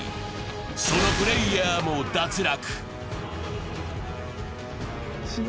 そのプレイヤーも脱落。